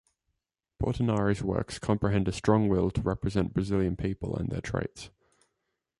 Portinari's works comprehend a strong will to represent Brazilian people and their traits.